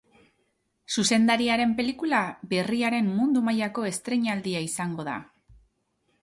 Zuzendariaren pelikula berriaren mundu-mailako estreinaldia izango da.